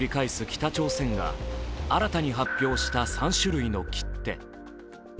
北朝鮮が新たに発表した３種類の切手。